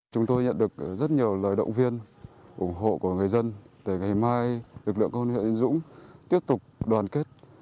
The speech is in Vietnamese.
chúng tôi nhận được rất nhiều lời động viên ủng hộ của người dân để ngày mai lực lượng công an huyện yên dũng tiếp tục đoàn kết